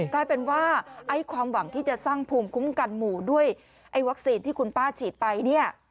กลายเป็นว่าไอ้ความหวังที่จะสร้างภูมิคุ้มกันหมู่ด้วยไอ้วัคซีนที่คุณป้าฉีดไปเนี่ย